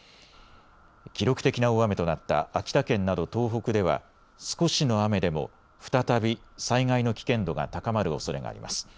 記録的な大雨となった秋田県など東北では少しの雨でも再び災害の危険度が高まるおそれがあります。